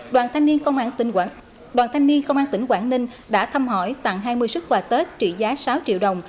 đoàn thanh niên công an tỉnh quảng ninh đã thăm hỏi tặng hai mươi xuất quà tết trị giá sáu triệu đồng